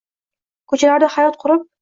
Ko’chalarda hayot qurib